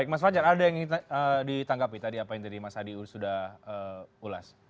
mas fajar ada yang ingin ditanggapi tadi apa yang tadi mas adi sudah ulas